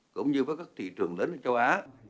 cũng như với các thị trường lớn ở châu á